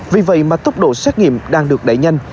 vì vậy mà tốc độ xét nghiệm đang được đẩy nhanh